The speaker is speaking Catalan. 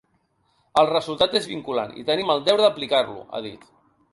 El resultat és vinculant i tenim el deure d’aplicar-lo, ha dit.